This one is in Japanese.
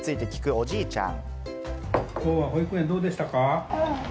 おじいちゃん。